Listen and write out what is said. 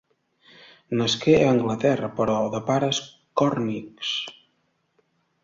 Nasqué a Anglaterra, però de pares còrnics.